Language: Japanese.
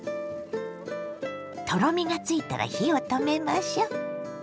とろみがついたら火を止めましょ。